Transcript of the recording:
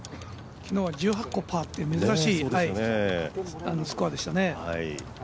昨日は１８個、パーって珍しいスコアでしたね。